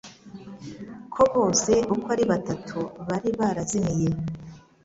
ko bose uko ari batatu bari barazimiye